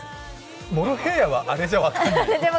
モロヘイヤはアレじゃ分かんないよ。